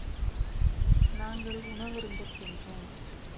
நாங்கள் உணவருந்தச் சென்றோம்.